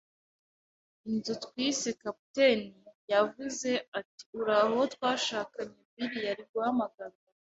inzu twise kapiteni. Yavuze ati: “Uraho, uwo twashakanye Bill yari guhamagarwa